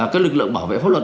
các lực lượng bảo vệ pháp luật